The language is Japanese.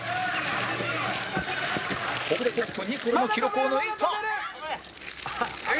ここでトップニコルの記録を抜いた